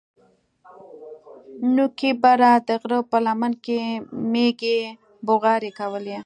نوکي بره د غره په لمن کښې مېږې بوغارې کولې.